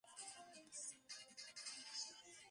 She had twins three times.